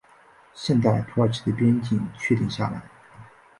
现代土耳其的边境确定下来。